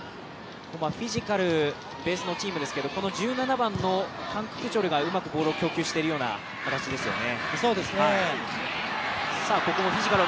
フィジカルがベースのチームですが、１７番のカン・ククチョルがうまくボールを供給しているような形ですよね。